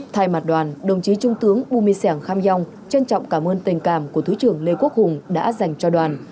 thay mặt đoàn đồng chí trung tướng bu mê sẻng kham yong trân trọng cảm ơn tình cảm của thứ trưởng lê quốc hùng đã dành cho đoàn